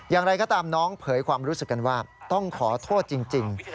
อย่างไรก็ตามน้องเผยความรู้สึกกันว่าต้องขอโทษจริง